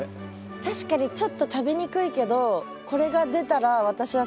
確かにちょっと食べにくいけどこれが出たら私はすごくうれしいかも。